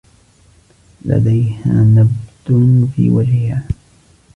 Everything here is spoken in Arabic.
لديها نبد في وجهها.